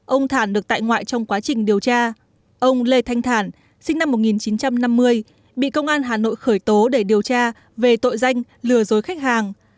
ông thản được tại ngoại trong quá trình điều tra ông lê thanh thản sinh năm một nghìn chín trăm năm mươi bị công an hà nội khởi tố để điều tra về tội danh lừa dối khách hàng